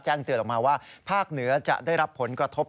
เตือนออกมาว่าภาคเหนือจะได้รับผลกระทบ